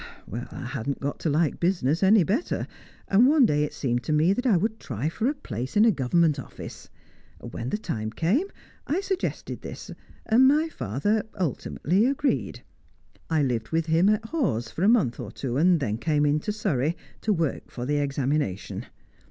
I hadn't got to like business any better, and one day it seemed to me that I would try for a place in a Government office. When the time came, I suggested this, and my father ultimately agreed. I lived with him at Hawes for a month or two, then came into Surrey, to work on for the examination.